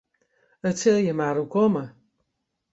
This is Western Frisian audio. It sil jin mar oerkomme.